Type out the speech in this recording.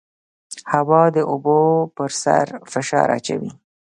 هوا د اوبو پر سر فشار اچوي.